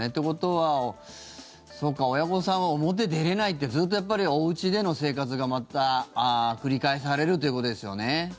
ことは、そうか親御さんは表出れないってずっと、やっぱりおうちでの生活がまた繰り返されるということですよね。